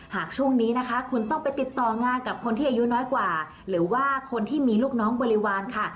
ช่วงนี้นะคะคุณต้องไปติดต่องานกับคนที่อายุน้อยกว่าหรือว่าคนที่มีลูกน้องบริวารค่ะ